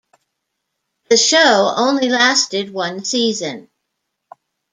The show only lasted one season.